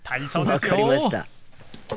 分かりました。